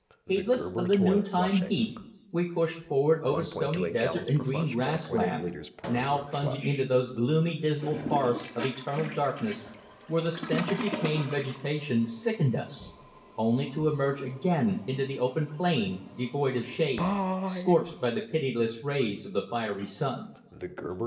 Heedless of the noontide heat we pushed forward over stony desert and green grass land, now plunging into those gloomy dismal forests of eternal darkness where the stench of decaying vegetation sickened us, only to emerge again into the open plain devoid of shade, scorched by the pitiless rays of the fiery sun.